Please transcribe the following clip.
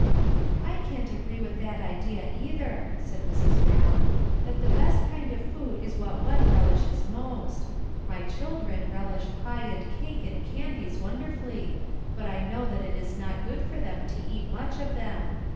"I can't agree with that idea, either," said Mrs. Brown, "that the best kind of food is what one relishes most. My children relish pie and cake and candies wonderfully, but I know it is not good for them to eat much of them.